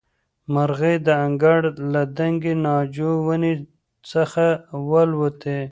مرغۍ د انګړ له دنګې ناجو ونې څخه والوتې.